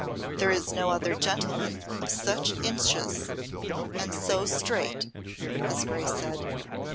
"There is no other gentleman of such inches and so straight," his Grace said.